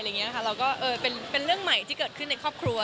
เราก็เป็นเรื่องใหม่ที่เกิดขึ้นในครอบครัว